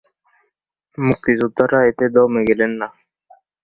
মুক্তিযোদ্ধারা এতে দমে গেলেন না।